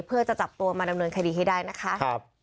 เพื่อจะจับตัวมาดำเนินคดีให้ได้นะคะ